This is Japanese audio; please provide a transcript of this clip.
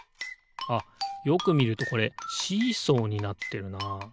あっよくみるとこれシーソーになってるな。